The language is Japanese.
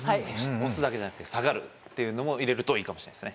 押すだけじゃなくて下がるっていうのも入れるといいかもしれないですね